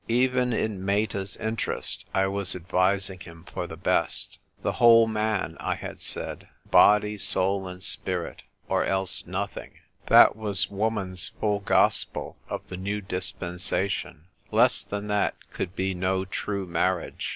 Even in Meta's interest, I was advising him for the best. "The whole man," I had said —" body, soul, and spirit — or else nothing !" That was woman's full "WHEREFORE ART THOU ROMEO?" 227 gospel of the new dispensation. Less than that could be no true marriage.